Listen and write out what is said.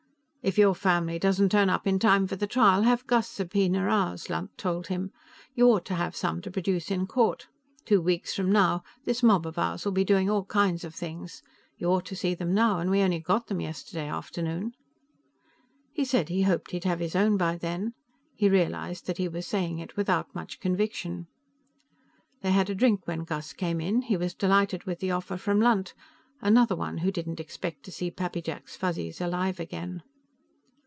"If your family doesn't turn up in time for the trial, have Gus subpoena ours," Lunt told him. "You ought to have some to produce in court. Two weeks from now, this mob of ours will be doing all kinds of things. You ought to see them now, and we only got them yesterday afternoon." He said he hoped he'd have his own by then; he realized that he was saying it without much conviction. They had a drink when Gus came in. He was delighted with the offer from Lunt. Another one who didn't expect to see Pappy Jack's Fuzzies alive again.